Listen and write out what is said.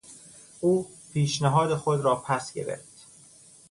او پیشنهاد خود را پس گرفت.